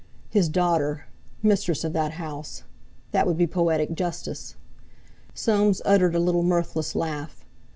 His daughter—mistress of that house! That would be poetic justice! Soames uttered a little mirthless laugh.